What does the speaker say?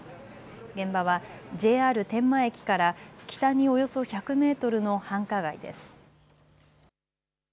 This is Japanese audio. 現場はＪＲ天満駅から北におよそ１００メートルの繁華街です。